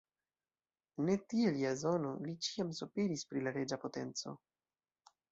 Ne tiel Jazono, li ĉiam sopiris pri la reĝa potenco.